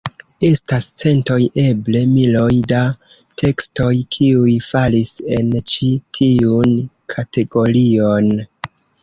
Estas centoj, eble miloj, da tekstoj, kiuj falis en ĉi tiun kategorion.